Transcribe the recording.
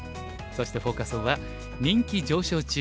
そしてフォーカス・オンは「人気上昇中！